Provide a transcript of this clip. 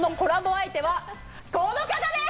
相手はこの方です！